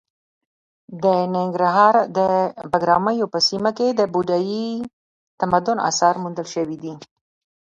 د ننګرهار د بګراميو په سیمه کې د بودايي تمدن اثار موندل شوي دي.